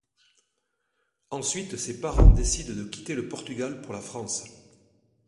Ensuite ses parents décident de quitter le Portugal pour la France.